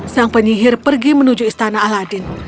sang penyihir pergi menuju istana aladin